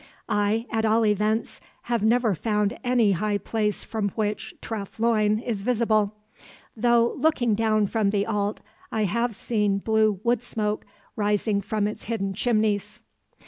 I, at all events, have never found any high place from which Treff Loyne is visible; though, looking down from the Allt, I have seen blue wood smoke rising from its hidden chimneys.